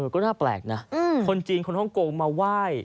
ก็น่าแปลกนะคนจีนคนฮ่องกงมาไหว้